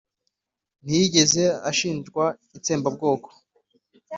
ntiyigeze ishinjwa itsembabwoko!